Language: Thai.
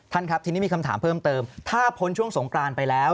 ครับทีนี้มีคำถามเพิ่มเติมถ้าพ้นช่วงสงกรานไปแล้ว